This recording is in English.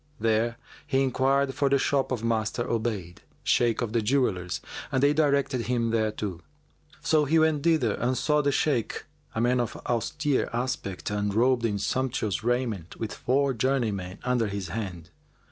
There he enquired for the shop of Master Obayd, Shaykh of the Jewellers, and they directed him thereto. So he went thither and saw the Shaykh, a man of austere aspect and robed in sumptuous raiment with four journeymen under his hand.